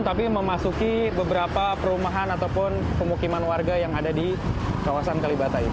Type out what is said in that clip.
tapi memasuki beberapa perumahan ataupun pemukiman warga yang ada di kawasan kalibata ini